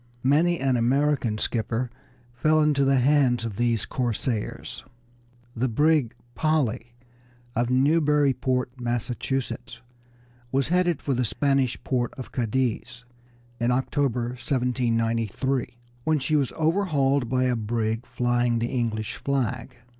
Many an American skipper fell into the hands of these corsairs. The brig Polly of Newburyport, Massachusetts, was heading for the Spanish port of Cadiz in October, 1793, when she was overhauled by a brig flying the English flag.